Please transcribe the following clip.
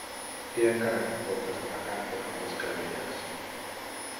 He encarregat coques de recapte per les caramelles